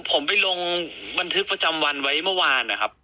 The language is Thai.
ผมไปลงบันทึกประจำวันไว้เมื่อวานนะครับ